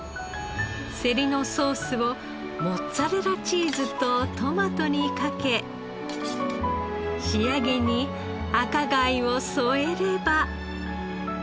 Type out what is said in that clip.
セリのソースをモッツァレラチーズとトマトにかけ仕上げに赤貝を添えれば。